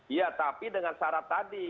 iya tapi dengan syarat tadi